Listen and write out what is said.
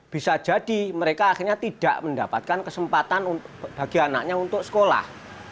bisa jadi mereka akhirnya tidak mendapatkan kesempatan bagi anaknya untuk sekolah